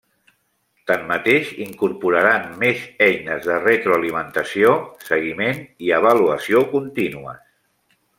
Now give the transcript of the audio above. Tanmateix incorporaran més eines de retroalimentació, seguiment i avaluació contínues.